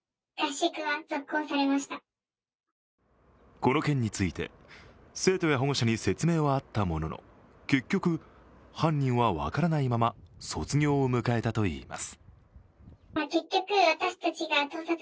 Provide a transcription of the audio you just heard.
この件について、生徒や保護者に説明はあったものの結局、犯人はわからないまま卒業を迎えたといいます。